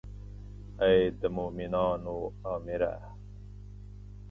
ای د مومنانو امیره.